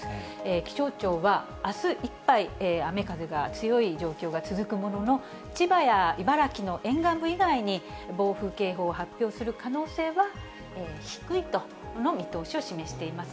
気象庁は、あすいっぱい、雨風が強い状況が続くものの、千葉や茨城の沿岸部以外に、暴風警報を発表する可能性は低いとの見通しを示しています。